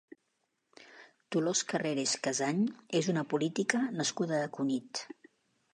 Dolors Carreras Casany és una política nascuda a Cunit.